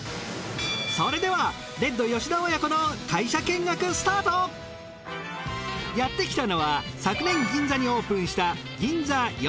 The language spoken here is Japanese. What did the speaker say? それではレッド吉田親子のやってきたのは昨年銀座にオープンした。